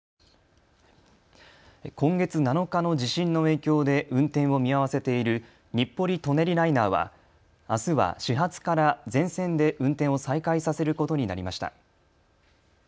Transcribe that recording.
今月７日の地震の影響で運転を見合わせている日暮里・舎人ライナーはあすは始発から全線で運転を再開させることになりました。